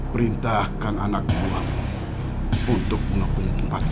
perintahkan anak kubuahmu untuk mengopi tempat ini